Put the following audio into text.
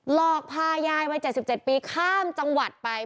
หลอกพายายวัย๗๗ปีข้ามจังหวัดไป